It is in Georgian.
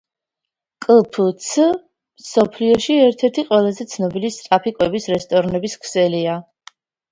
კფც მსოფლიოში ერთ-ერთი ყველაზე ცნობილი სწრაფი კვების რესტორნების ქსელია